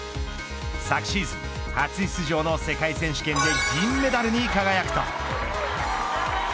昨シーズン初出場の世界選手権で銀メダルに輝くと。